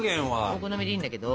お好みでいいんだけど。